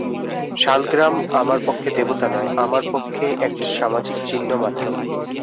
শালগ্রাম আমার পক্ষে দেবতা নয়, আমার পক্ষে একটা সামাজিক চিহ্নমাত্র।